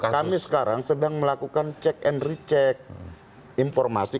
kami sekarang sedang melakukan cek and recheck informasi